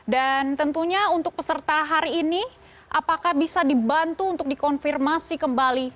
dan tentunya untuk peserta hari ini apakah bisa dibantu untuk dikonfirmasi kembali